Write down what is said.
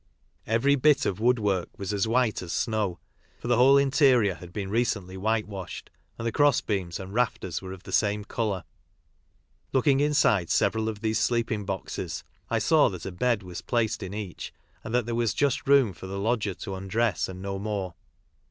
Every bit of wookwork was as white as snow, for the whole interior had been recently whitewashed, and the cross beams and rafters were of the same colour. Rooking inside several of these sleeping boxes I saw that a bed was placed in each, and that there was just .room for the lodger to undress and no more.